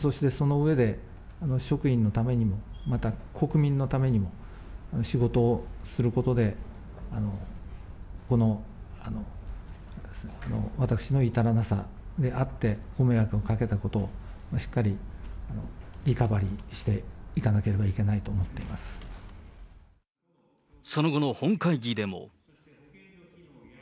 そしてその上で、職員のためにもまた国民のためにも、仕事をすることで、この私の至らなさであって、ご迷惑をかけたことをしっかりリカバリーしていかなければいけなその後の本会議でも。